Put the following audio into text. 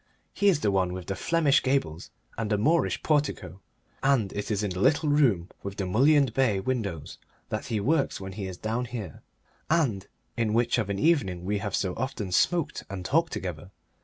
His is the one with the Flemish gables and the Moorish portico, and it is in the little room with the mullioned bay window that he works when he is down here, and in which of an evening we have so often smoked and talked together.